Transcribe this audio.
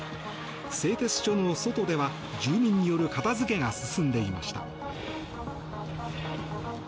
製鉄所の外では住民による片付けが進んでいました。